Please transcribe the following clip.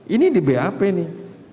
ini di bap nih